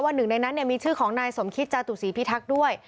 หนึ่งในนั้นมีชื่อของนายสมคิตจาตุศรีพิทักษ์ด้วย